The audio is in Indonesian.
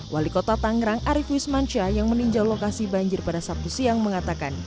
wali kota tangerang arief wismansyah yang meninjau lokasi banjir pada sabtu siang mengatakan